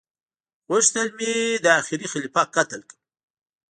غوښتل مي دا اخيري خليفه قتل کړم